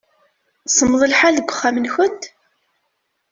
Semmeḍ lḥal deg uxxam-nkent?